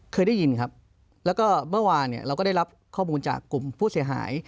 เคยได้ยินครับแล้วก็เมื่อวานเนี่ยเราก็ได้รับข้อมูลจากกลุ่มผู้เสียหาย